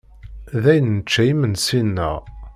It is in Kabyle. Dayen, nečča imensi-nneɣ.